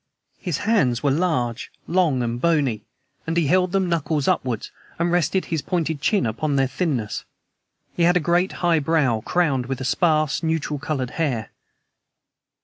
His hands were large, long and bony, and he held them knuckles upward, and rested his pointed chin upon their thinness. He had a great, high brow, crowned with sparse, neutral colored hair.